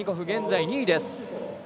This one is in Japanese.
現在２位です。